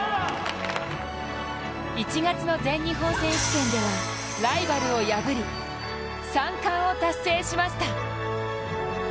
１月の全日本選手権ではライバルを破り３冠を達成しました。